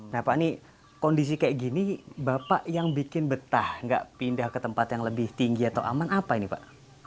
nah pak ini kondisi kayak gini bapak yang bikin betah nggak pindah ke tempat yang lebih tinggi atau aman apa ini pak